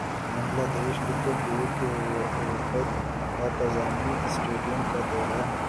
Bangladesh cricket board کے وفد کا قذافی اسٹیڈیم کا دورہ